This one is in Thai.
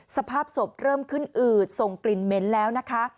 สภาพศพเริ่มขึ้นอืดส่งกลิ่นเหม็นแล้วนะคะ